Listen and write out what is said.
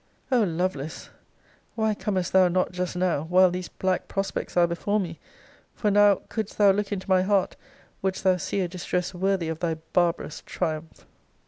O Lovelace! why comest thou not just now, while these black prospects are before me? For now, couldst thou look into my heart, wouldst thou see a distress worthy of thy barbarous triumph!